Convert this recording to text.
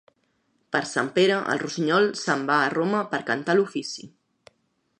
Per Sant Pere, el rossinyol se'n va a Roma per cantar l'ofici.